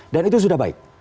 dan itu sudah baik